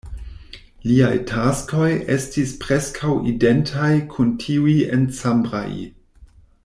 Liaj taskoj estis preskaŭ identaj kun tiuj en Cambrai.